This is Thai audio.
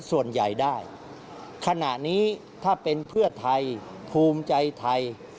ส่วนใหญ่ได้ขณะนี้ถ้าเป็นเพื่อไทยภูมิใจไทย